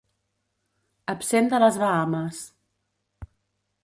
Absent de les Bahames.